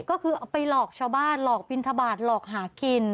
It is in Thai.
ก็คือเอาไปหลอกชาวบ้านหลอกบินทบาทหลอกหากิน